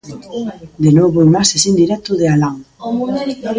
De novo imaxes en directo de alán.